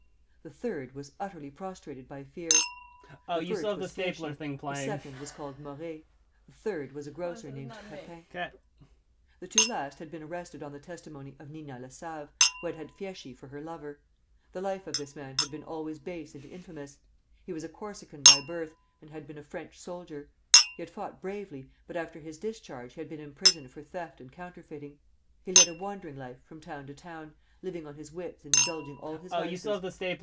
The third was utterly prostrated by fear. The first was Fieschi; the second was called Morey; the third was a grocer named Pepin. The two last had been arrested on the testimony of Nina Lassave, who had had Fieschi for her lover. The life of this man had been always base and infamous. He was a Corsican by birth, and had been a French soldier. He had fought bravely, but after his discharge he had been imprisoned for theft and counterfeiting. He led a wandering life from town to town, living on his wits and indulging all his vices.